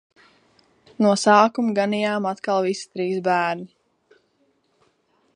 No sākuma ganījām atkal visi trīs bērni.